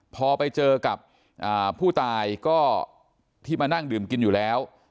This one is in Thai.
พอไปเจอกับผู้ตายก็ที่มานั่งดื่มกินอยู่แล้ว